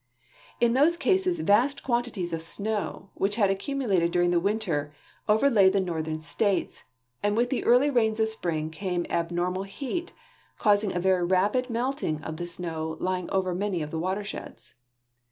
In those cases vast quantities of snow, which had accumulated during the winter, overlay the northern states, and with the early rains of spring came abnor mal heat, causing a ver}' rapid melting of the snow lying over manv of the watersheds.